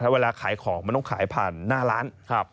เวลาขายของมันต้องขายผ่านหน้าร้าน